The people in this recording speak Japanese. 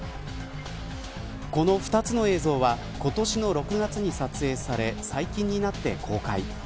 この二つの映像は今年の６月に撮影され最近になって公開。